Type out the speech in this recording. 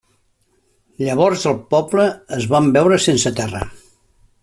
Llavors el poble es van veure sense terra.